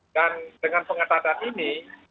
dan dengan pengetahuan ini